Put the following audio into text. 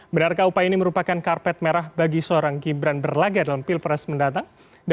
benarkah upaya ini merupakan karpet merah bagi seorang gibran berlaga dalam pilpres mendatang